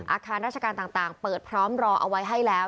อาคารราชการต่างเปิดพร้อมรอเอาไว้ให้แล้ว